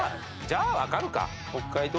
じゃあわかるか。